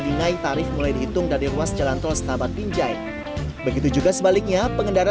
dinaik tarif mulai dihitung dari ruas jalan tol setabat binjai begitu juga sebaliknya pengendara